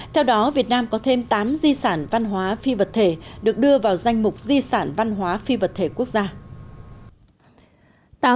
theo đó việt nam có thêm tám di sản văn hóa phi vật thể được đưa vào danh mục di sản văn hóa phi vật thể quốc gia